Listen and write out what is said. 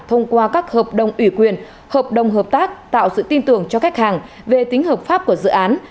thông qua các hợp đồng ủy quyền hợp đồng hợp tác tạo sự tin tưởng cho khách hàng về tính hợp pháp của dự án